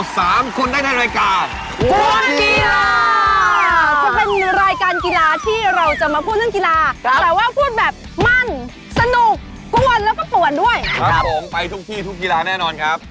สามารถรับชมได้ทุกวัย